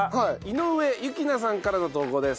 井上雪乃さんからの投稿です。